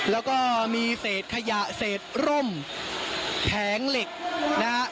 แล้วก็มีเศษขยะเศษร่มแผงเหล็กนะฮะ